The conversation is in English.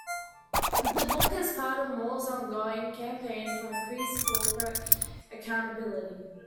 The book is part of Moore's ongoing campaign for increased corporate accountability.